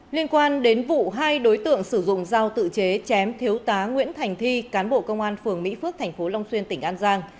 liên quan đến vụ hai đối tượng sử dụng dao tự chế chém thiếu tá nguyễn thành thi cán bộ công an phường mỹ phước tp long xuyên tỉnh an giang